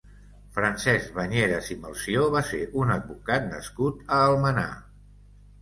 Francesc Bañeres i Melcior va ser un advocat nascut a Almenar.